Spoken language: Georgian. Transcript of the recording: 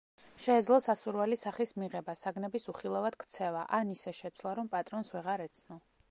შეეძლო სასურველი სახის მიღება, საგნების უხილავად ქცევა, ან ისე შეცვლა, რომ პატრონს ვეღარ ეცნო.